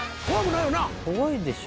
怖いでしょ。